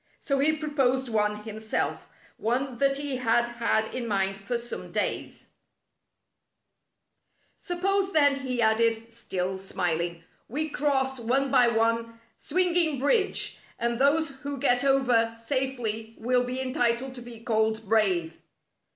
So he proposed one him self, one that he had had in mind for some days. 46 A Test of Coura^ "Suppose, then," he added, still smiling, "we cross, one by one. Swinging Bridge, and those who get over safely will be entitled to be called brave."